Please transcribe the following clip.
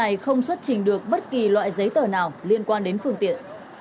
lái xe này không xuất trình được bất kỳ loại giấy tờ nào liên quan đến phương tiện